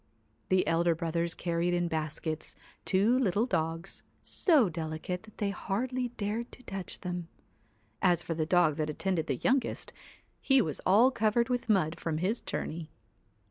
214 The elder brothers carried in baskets two little THE dogs, so delicate that they hardly dared to touch WHITE them. As for the dog that attended the youngest, c he was all covered with mud from his journey.